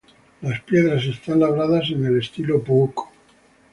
Las piedras están labradas en el estilo Puuc.